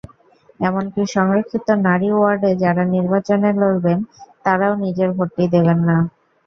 এমনকি সংরক্ষিত নারী ওয়ার্ডে যাঁরা নির্বাচনে লড়বেন, তাঁরাও নিজের ভোটটি দেবেন না।